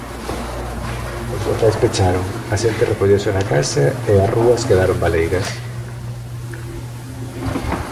Os locais pecharon, a xente recolleuse na casa e as rúas quedaron baleiras.